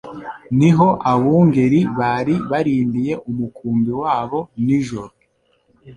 ni ho abungeri bari barindiye imukumbi yabo nijoro.